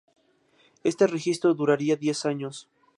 Este registro duraría diez años.